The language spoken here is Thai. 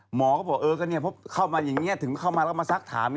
หมอก็บอกเออก็เข้ามาอย่างนี้ถึงเข้ามาแล้วมาซักถาม